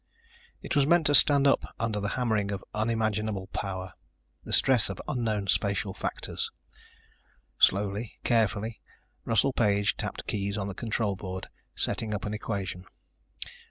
It was meant to stand up under the hammering of unimaginable power, the stress of unknown spatial factors. Slowly, carefully, Russell Page tapped keys on the control board, setting up an equation.